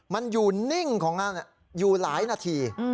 มันอยู่นิ่งของมันอยู่หลายนาที